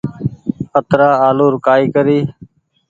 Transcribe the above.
اترآ آلو ر ڪآئي ڪري ۔